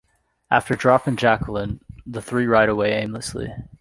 After dropping Jacqueline, the three ride away aimlessly.